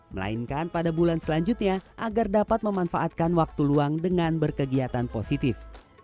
melainkan pada bulan selanjutnya agar dapat memanfaatkan waktu luang dengan berkegiatan positif